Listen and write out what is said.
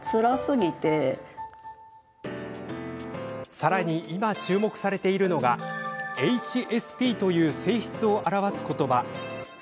さらに今、注目されているのがＨＳＰという性質を表す言葉。